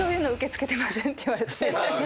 て言われて。